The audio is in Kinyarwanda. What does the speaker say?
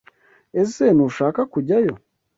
Ese Ntushaka kujyayo